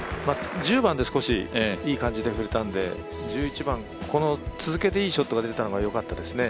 １０番で少しいい感じで振れたんで１１番、この続けていいショットが出てたのがよかったですね。